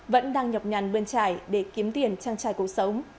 vẫn đang nhọc nhằn bươn trải để kiếm tiền trang trải cuộc sống